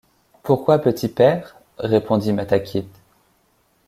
Pourquoi petit père? répondit Matakit.